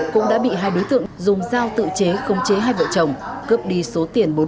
cũng đã bị hai đối tượng dùng dao tự chế không chế hai vợ chồng cướp đi số tiền bốn triệu đồng